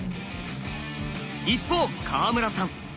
一方川村さん。